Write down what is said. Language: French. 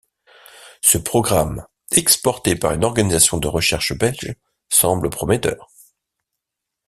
Ce programme, exporté par une organisation de recherche belge, semble prometteur.